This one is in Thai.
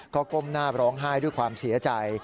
ก็ก้มหน้าร้องไห้ด้วยความเสียใจ